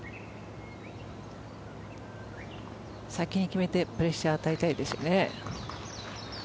先に決めてプレッシャー与えたいですよね。